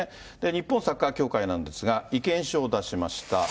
日本サッカー協会なんですが、意見書を出しました。